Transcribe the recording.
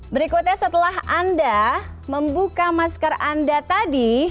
berikutnya setelah anda membuka masker anda tadi